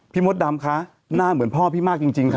มดดำคะหน้าเหมือนพ่อพี่มากจริงค่ะ